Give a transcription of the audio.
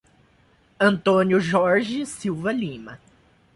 Antônio Jorge Silva Lima